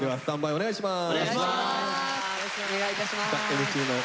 お願いします。